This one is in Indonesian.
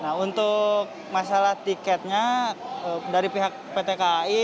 nah untuk masalah tiketnya dari pihak pt kai